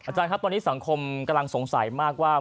ครับตอนนี้สังคมกำลังสงสัยมากว่า